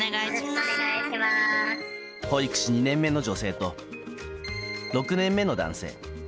保育士２年目の女性と６年目の男性